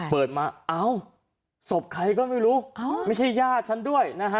เปิดมาเอ้าศพใครก็ไม่รู้ไม่ใช่ญาติฉันด้วยนะฮะ